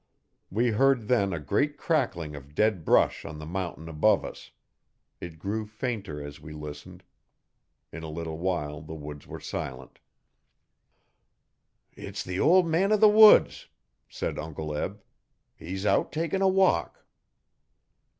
We heard then a great crackling of dead brush on the mountain above us. It grew fainter as we listened. In a little while the woods were silent. 'It's the ol' man o' the woods,' said Uncle Eb. 'E's out takin' a walk.'